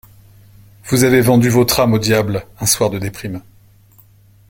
Vous avez vendu votre âme au Diable un soir de déprime.